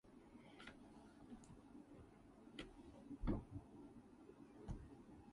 Like so many men who helped conquer Siberia, Poyarkov received no reward.